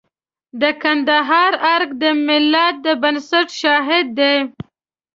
د کندهار ارګ د ملت د بنسټ شاهد دی.